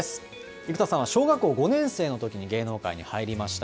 生田さんは小学校５年生のときに、芸能界に入りました。